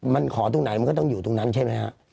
มันขอตรงไหนมันก็ต้องอยู่ตรงนั้นใช่ไหมฮะ